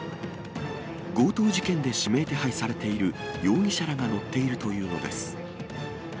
強盗事件で指名手配されている容疑者らが乗っているというのです。